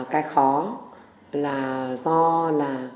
cái khó là do là